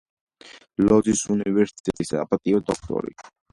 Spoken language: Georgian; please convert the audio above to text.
ლოძის უნივერსიტეტის საპატიო დოქტორი.